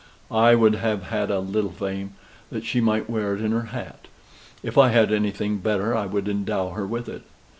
I would have had a little fame, that she might wear it in her hat. If I had anything better, I would endow her with it.